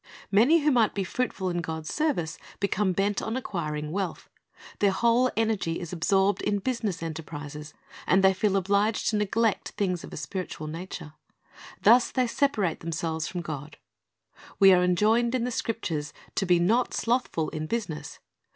Many who might be fruitful in God's service become bent on acquiring wealth. Their whole energy is absorbed in business enterprises, and they feel obliged to neglect things of a spiritual nature. Thus they separate themselves from God. We are enjoined in the Scriptures to be "not slothful in business."'